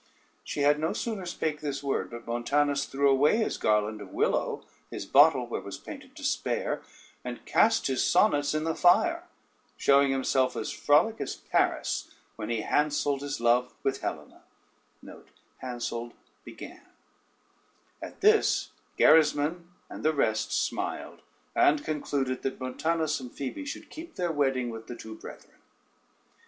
She had no sooner spake this word, but Montanus threw away his garland of willow, his bottle, where was painted despair, and cast his sonnets in the fire, showing himself as frolic as Paris when he handselled his love with Helena. At this Gerismond and the rest smiled, and concluded that Montanus and Phoebe should keep their wedding with the two brethren.